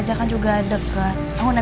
ya udah tante tenang aja